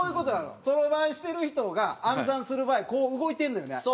そろばんしてる人が暗算する場合こう動いてるのよね。